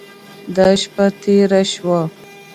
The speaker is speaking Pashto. دا شپه تېره شوه.